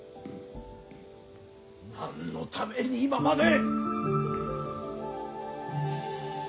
何のために今まで。